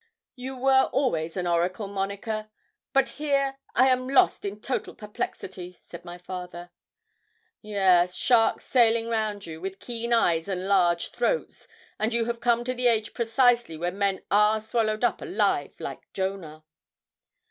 'You were always an oracle, Monica; but here I am lost in total perplexity,' said my father. 'Yes; sharks sailing round you, with keen eyes and large throats; and you have come to the age precisely when men are swallowed up alive like Jonah.'